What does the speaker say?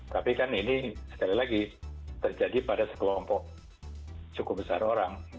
tapi kan ini sekali lagi terjadi pada sekelompok cukup besar orang